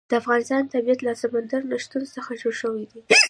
د افغانستان طبیعت له سمندر نه شتون څخه جوړ شوی دی.